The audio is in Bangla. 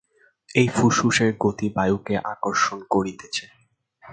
এই ফুসফুসের গতি বায়ুকে আকর্ষণ করিতেছে।